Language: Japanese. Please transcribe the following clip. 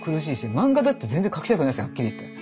漫画だって全然描きたくないですよはっきり言って。